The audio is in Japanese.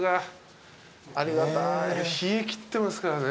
冷えきってますからね。